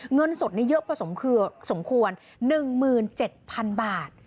เงินสดเยอะสมควร๑๗๐๐๐บาท